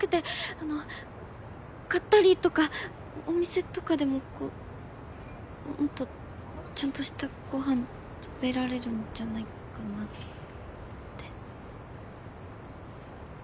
あの買ったりとかお店とかでもこうもっとちゃんとしたご飯食べられるんじゃないかなって。